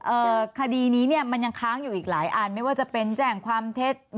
คดีนี้เนี่ยมันยังค้างอยู่อีกหลายอันไม่ว่าจะเป็นแจ้งความเท็จ